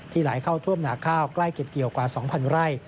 ที่หลายเข้าท่วมหนาข้าวใกล้เก็ดเกี่ยวกว่าสองพันไร